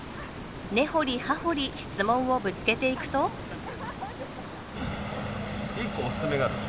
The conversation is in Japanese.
根掘り葉掘り質問をぶつけていくと１個オススメがある。